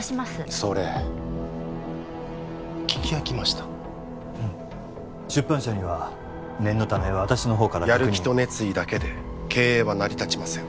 それ聞き飽きました出版社には念のため私の方からやる気と熱意だけで経営は成り立ちません